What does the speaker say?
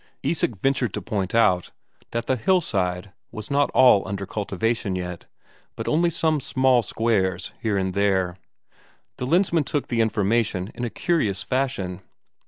Isak ventured to point out that the hillside was not all under cultivation yet, but only some small squares here and there. The Lensmand took the information in a curious fashion.